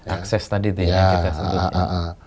akses tadi tanya kita